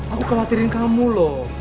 aku kelatirin kamu loh